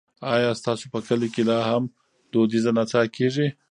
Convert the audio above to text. ایا ستاسو په کلي کې لا هم دودیزه نڅا کیږي؟